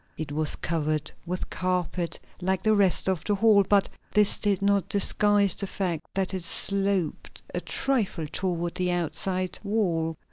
It was covered with carpet, like the rest of the hall, but this did not disguise the fact that it sloped a trifle toward the outside wall.